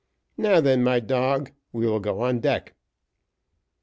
"Now then, my dog, we will go on deck."